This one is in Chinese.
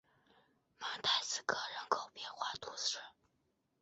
蒙泰斯科人口变化图示